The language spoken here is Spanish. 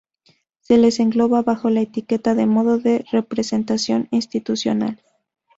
Se les engloba bajo la etiqueta de Modo de representación institucional.